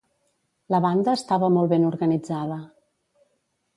La banda estava molt ben organitzada.